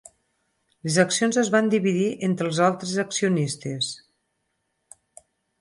Les accions es van dividir entre els altres accionistes.